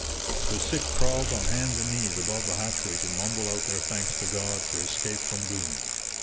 The sick crawled on hands and knees above the hatchway to mumble out their thanks to God for escape from doom.